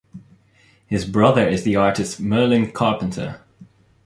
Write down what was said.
His brother is the artist Merlin Carpenter.